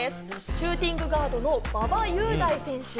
シューティングガードの馬場雄大選手。